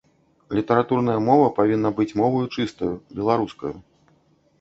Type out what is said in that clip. Літаратурная мова павінна быць моваю чыстаю, беларускаю.